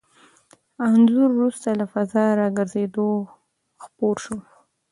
انځور وروسته له فضا راګرځېدو خپور شو.